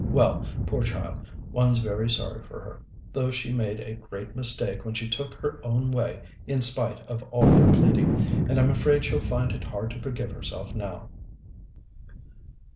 Well, poor child, one's very sorry for her, though she made a great mistake when she took her own way in spite of all their pleading, and I'm afraid she'll find it hard to forgive herself now."